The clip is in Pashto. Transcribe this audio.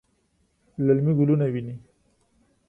للمي ګلونه ویني